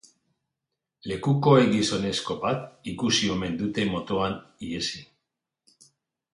Lekukoek gizonezko bat ikusi omen dute motoan ihesi.